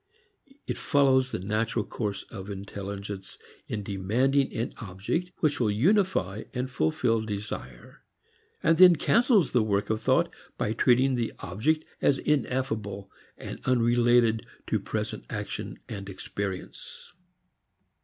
It follows the natural course of intelligence in demanding an object which will unify and fulfil desire, and then cancels the work of thought by treating the object as ineffable and unrelated to present action and experience.